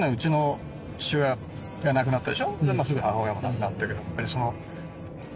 まあすぐ母親も亡くなったけどやっぱりその。